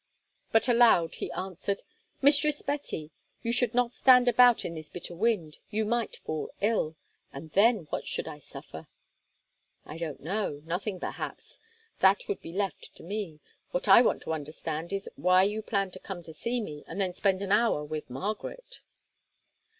But aloud he answered: "Mistress Betty, you should not stand about in this bitter wind; you might fall ill, and then what should I suffer?" "I don't know, nothing perhaps; that would be left to me. What I want to understand is, why you plan to come to see me, and then spend an hour with Margaret?"